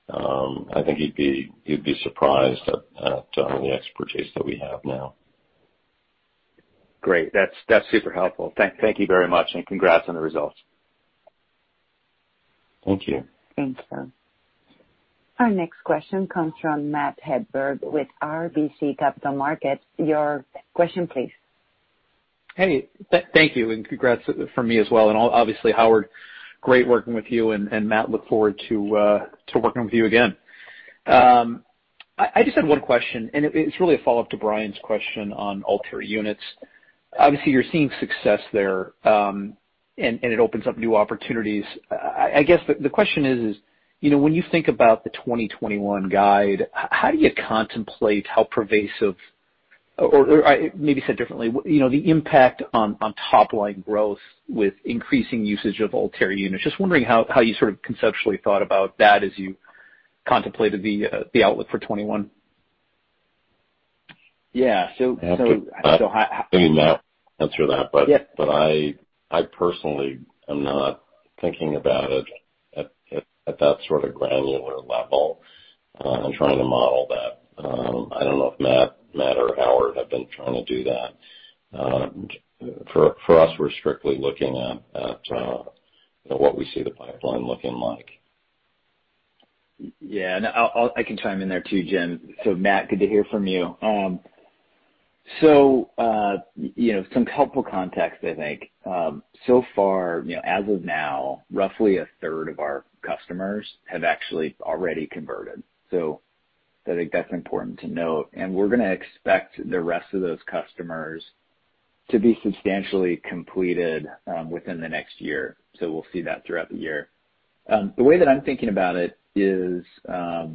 I think you'd be surprised at the expertise that we have now. Great. That's super helpful. Thank you very much, and congrats on the results. Thank you Thanks, Brian. Our next question comes from Matt Hedberg with RBC Capital Markets. Your question please. Thank you, and congrats from me as well. Obviously, Howard, great working with you, and Matt, look forward to working with you again. I just have one question, and it's really a follow-up to Brian's question on Altair Units. Obviously, you're seeing success there, and it opens up new opportunities. I guess the question is: when you think about the 2021 guide, how do you contemplate how pervasive, or maybe said differently, the impact on top-line growth with increasing usage of Altair Units. Just wondering how you sort of conceptually thought about that as you contemplated the outlook for 2021. Yeah. I'll let Matt answer that. Yeah. I personally am not thinking about it at that sort of granular level and trying to model that. I don't know if Matt or Howard have been trying to do that. For us, we're strictly looking at what we see the pipeline looking like. Yeah. No, I can chime in there too, Jim. Matt, good to hear from you. Some helpful context, I think. So far, as of now, roughly a third of our customers have actually already converted. I think that's important to note. We're going to expect the rest of those customers to be substantially completed within the next year. We'll see that throughout the year. The way that I'm thinking about it is that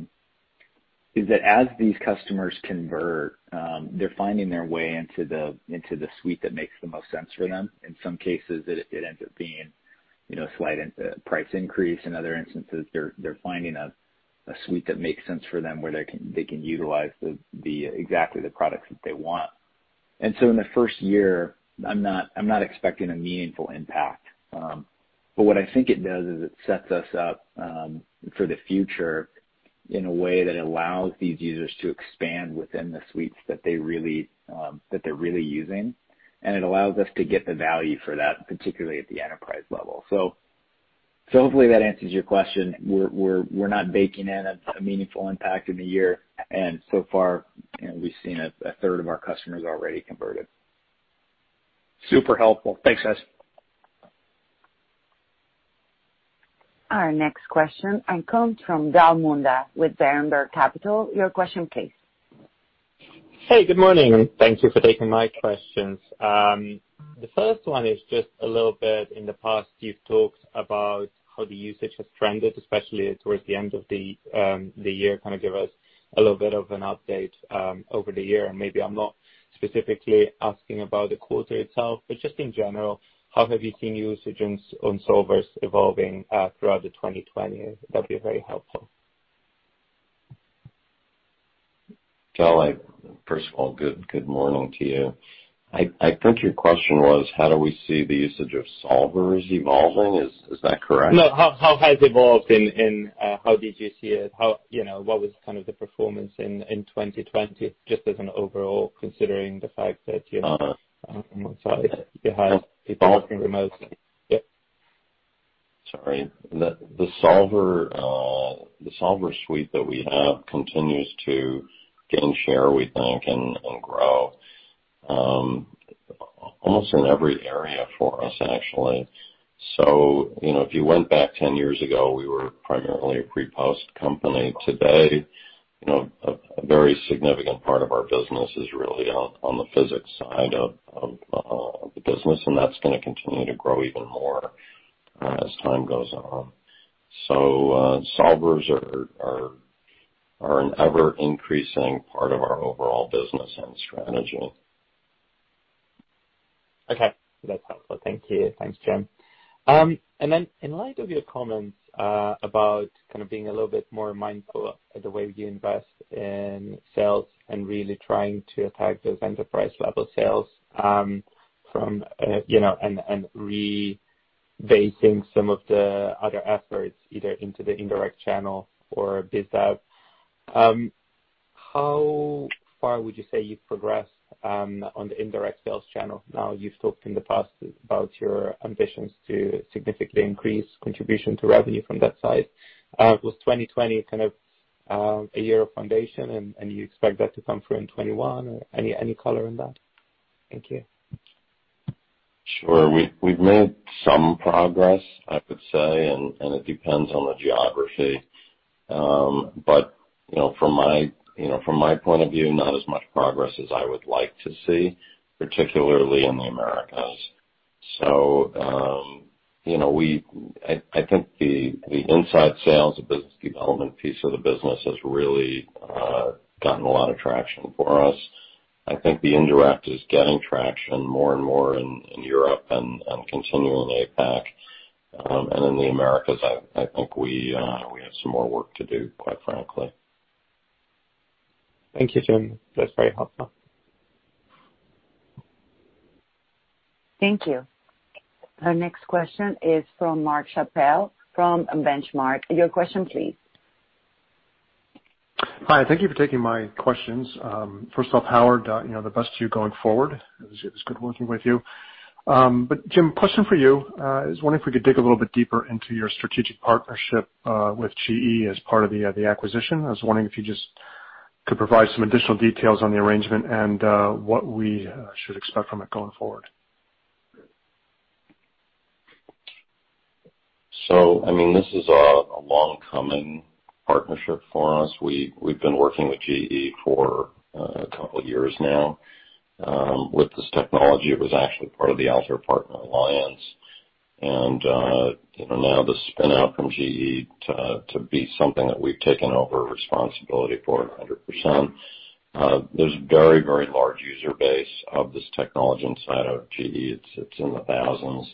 as these customers convert, they're finding their way into the suite that makes the most sense for them. In some cases, it ends up being a slight price increase. In other instances, they're finding a suite that makes sense for them where they can utilize exactly the products that they want. In the first year, I'm not expecting a meaningful impact. What I think it does is it sets us up for the future in a way that allows these users to expand within the suites that they're really using. It allows us to get the value for that, particularly at the enterprise level. Hopefully that answers your question. We're not baking in a meaningful impact in the year, and so far, we've seen a third of our customers already converted. Super helpful. Thanks, guys. Our next question comes from Gal Munda with Berenberg Capital. Your question please. Good morning, thank you for taking my questions. The first one is just a little bit, in the past, you've talked about how the usage has trended, especially towards the end of the year. Kind of give us a little bit of an update over the year. Maybe I'm not specifically asking about the quarter itself, but just in general, how have you seen usages on solvers evolving throughout 2020? That'd be very helpful. Gal, first of all, good morning to you. I think your question was how do we see the usage of solvers evolving? Is that correct? No, how has it evolved and how did you see it? What was kind of the performance in 2020, just as an overall? You had people working remotely. Yep. Sorry. The solver suite that we have continues to gain share, we think, and grow almost in every area for us, actually. If you went back 10 years ago, we were primarily a pre-post company. Today, a very significant part of our business is really on the physics side of the business, and that's going to continue to grow even more as time goes on. Solvers are an ever-increasing part of our overall business and strategy. Okay. That's helpful. Thank you. Thanks, Jim. In light of your comments about kind of being a little bit more mindful of the way you invest in sales and really trying to attack those enterprise-level sales, and re-basing some of the other efforts either into the indirect Channel or BizDev, how far would you say you've progressed on the Indirect Sales Channel now? You've talked in the past about your ambitions to significantly increase contribution to revenue from that side. Was 2020 kind of a year of foundation and you expect that to come through in 2021? Any color on that? Thank you. Sure. We've made some progress, I would say, and it depends on the geography. From my point of view, not as much progress as I would like to see, particularly in the Americas. I think the inside sales, the business development piece of the business has really gotten a lot of traction for us. I think the indirect is getting traction more and more in Europe and continuing APAC. In the Americas, I think we have some more work to do, quite frankly. Thank you, Jim. That's very helpful. Thank you. Our next question is from Mark Schappel from Benchmark. Your question please. Hi. Thank you for taking my questions. First off, Howard, the best to you going forward. It was good working with you. Jim, question for you. I was wondering if we could dig a little bit deeper into your strategic partnership with GE as part of the acquisition. I was wondering if you just could provide some additional details on the arrangement and what we should expect from it going forward. This is a long-coming partnership for us. We've been working with GE for a couple of years now with this technology. It was actually part of the Altair Partner Alliance. Now the spin-out from GE to be something that we've taken over responsibility for 100%. There's a very, very large user base of this technology inside of GE. It's in the thousands.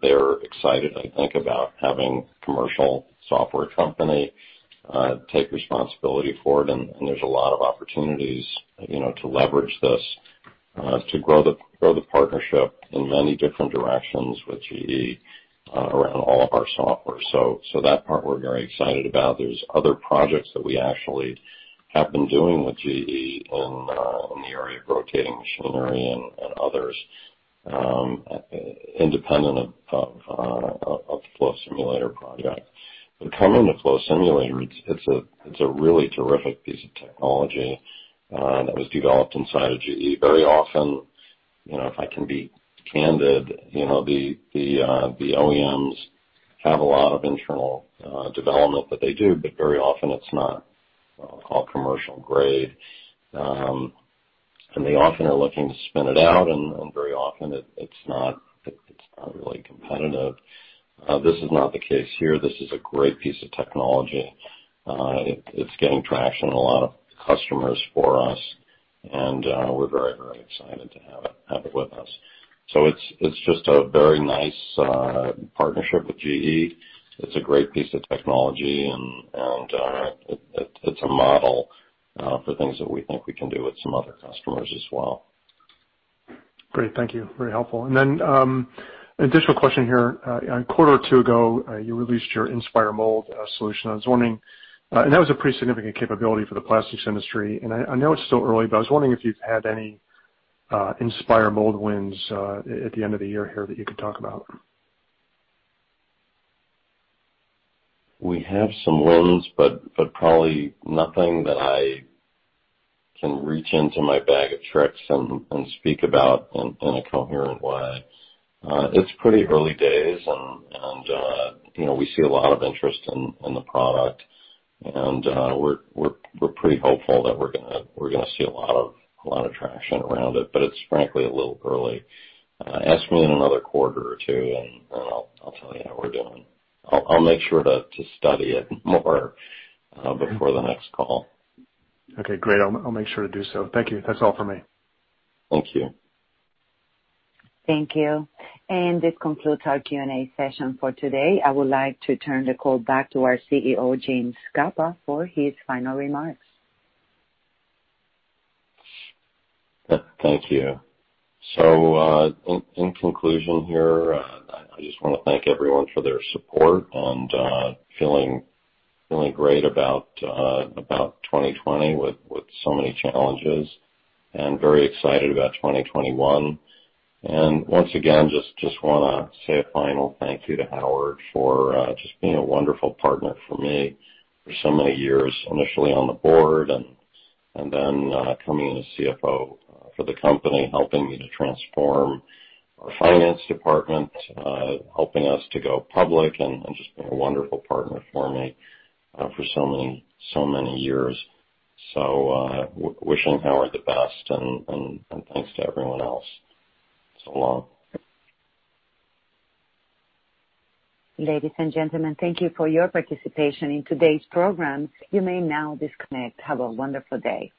They're excited, I think, about having a commercial software company take responsibility for it, and there's a lot of opportunities to leverage this to grow the partnership in many different directions with GE around all of our software. That part we're very excited about. There's other projects that we actually have been doing with GE in the area of rotating machinery and others, independent of the Flow Simulator project. Coming to Flow Simulator, it's a really terrific piece of technology that was developed inside of GE. Very often, if I can be candid, the OEMs have a lot of internal development that they do, but very often it's not all commercial grade. They often are looking to spin it out, and very often it's not really competitive. This is not the case here. This is a great piece of technology. It's getting traction, a lot of customers for us, and we're very excited to have it with us. It's just a very nice partnership with GE. It's a great piece of technology, and it's a model for things that we think we can do with some other customers as well. Great. Thank you. Very helpful. Then, additional question here. A quarter or two ago, you released your Inspire Mold solution. That was a pretty significant capability for the plastics industry, and I know it's still early, but I was wondering if you've had any Inspire Mold wins at the end of the year here that you could talk about. We have some wins, but probably nothing that I can reach into my bag of tricks and speak about in a coherent way. It's pretty early days and we see a lot of interest in the product. We're pretty hopeful that we're going to see a lot of traction around it, but it's frankly a little early. Ask me in another quarter or two, and I'll tell you how we're doing. I'll make sure to study it more before the next call. Okay, great. I'll make sure to do so. Thank you. That's all for me. Thank you. Thank you. This concludes our Q&A session for today. I would like to turn the call back to our CEO, James Scapa, for his final remarks. Thank you. In conclusion here, I just want to thank everyone for their support and feeling great about 2020 with so many challenges, and very excited about 2021. Once again, just want to say a final thank you to Howard for just being a wonderful partner for me for so many years, initially on the board and then coming in as CFO for the company, helping me to transform our finance department, helping us to go public, and just being a wonderful partner for me for so many years. Wishing Howard the best and thanks to everyone else. Long. Ladies and gentlemen, thank you for your participation in today's program. You may now disconnect. Have a wonderful day.